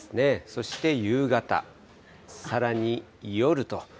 そして夕方、さらに夜と。